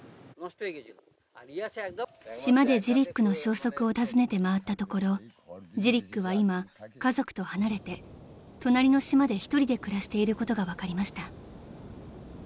［島でジリックの消息を尋ねて回ったところジリックは今家族と離れて隣の島で１人で暮らしていることが分かりました］